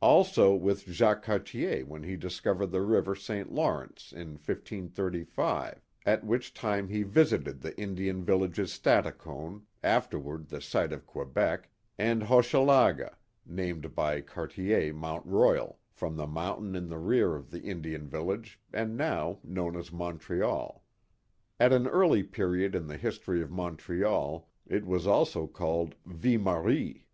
Also with Jacques Cartier when he discovered the river St. Law rence, in 1535, at which time he visited the Indian villages Stadacone, afterward the site of Quebec, and Hochelaga, named by Cartier Mont Royal, from the mountain in the rear of the Indian village, and now known as Montreal. At an early period in the history of Montreal it was also called Ville Marie.